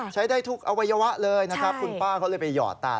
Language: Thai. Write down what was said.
ใช้ได้ทุกอวัยวะเลยนะครับคุณป้าเขาเลยไปหยอดตา